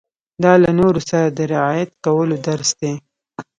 دا له نورو سره د رعايت کولو درس دی.